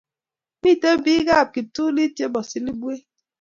Miten pik ab kiptulit che po Silibwet